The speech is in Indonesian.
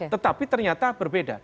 tetapi ternyata berbeda